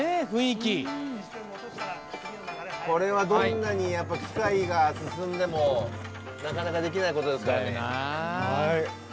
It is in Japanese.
これはどんなに機械が進んでもなかなかできないことですからね。